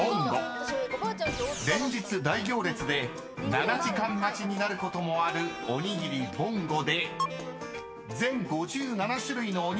［７時間待ちになることもあるおにぎりぼんごで］